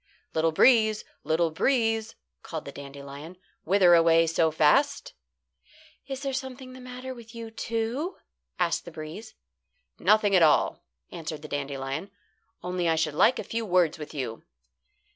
"Little breeze, little breeze," called the dandelion, "whither away so fast?" "Is there something the matter with you too?" asked the breeze. "Nothing at all," answered the dandelion. "Only I should like a few words with you."